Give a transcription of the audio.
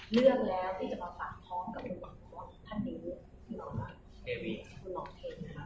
เลือกแล้วที่จะมาฝากท้องกับมือบริบันท่านเป็นเลือกคุณหลอกเทคุณหลอกเท